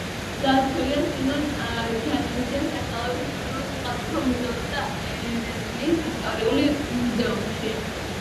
დაცულია სიმონ ჯანაშიას სახელობის საქართველოს სახელმწიფო მუზეუმსა და ერევნის ისტორიულ მუზეუმში.